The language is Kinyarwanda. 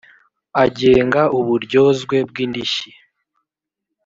agenga uburyozwe bw indishyi